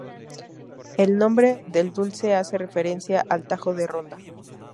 El nombre del dulce hace referencia al Tajo de Ronda.